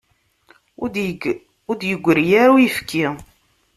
Ur d-yeggri ara uyefki.